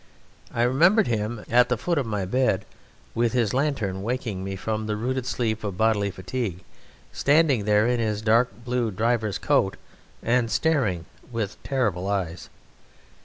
I remember him at the foot of my bed with his lantern waking me from the rooted sleep of bodily fatigue, standing there in his dark blue driver's coat and staring with terrible eyes.